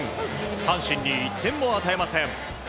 阪神に１点も与えません。